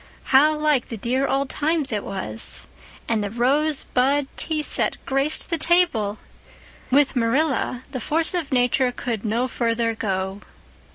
How like the dear old times it was! And the rose bud tea set graced the table! With Marilla the force of nature could no further go.